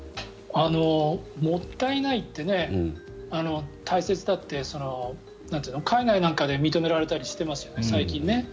もったいないってね大切だって海外なんかで最近認められたりしてますよね。